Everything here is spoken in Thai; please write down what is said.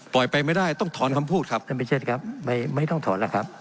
ไปไม่ได้ต้องถอนคำพูดครับท่านพิเชษครับไม่ต้องถอนแล้วครับ